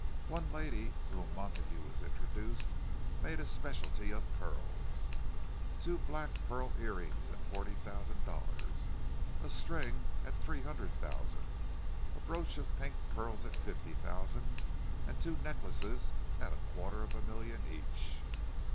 One lady to whom Montague was introduced made a speciality of pearls—two black pearl ear rings at forty thousand dollars, a string at three hundred thousand, a brooch of pink pearls at fifty thousand, and two necklaces at a quarter of a million each!